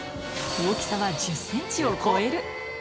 大きさは１０センチを超える。